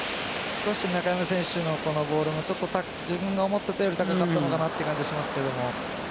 少し中山選手のボールも自分が思っていたより高かったのかなという感じがしますけども。